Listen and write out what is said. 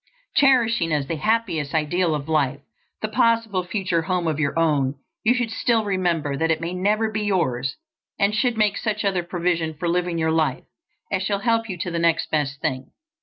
Cherishing as the happiest ideal of life the possible future home of your own, you should still remember that it may never be yours, and should make such other provision for living your life as shall help you to the next best thing.